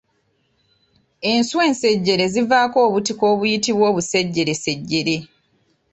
Enswa ensejjere zivaako obutiko obuyitibwa obusejjeresejjere